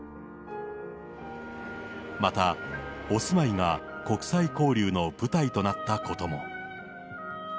またお住まいが国際交流の舞台となったことも。